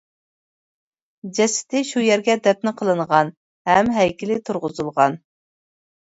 جەسىتى شۇ يەرگە دەپنە قىلىنغان ھەم ھەيكىلى تۇرغۇزۇلغان.